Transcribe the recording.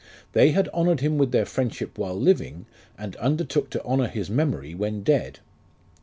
They had honoured him with their friendship while living, and undertook to honour his memory when dead.